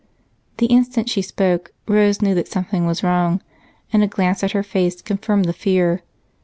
The instant she spoke Rose knew that something was wrong, and a glance at her face confirmed the fear.